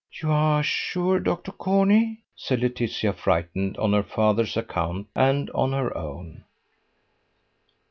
"You are sure, Dr. Corney?" said Laetitia, frightened on her father's account and on her own.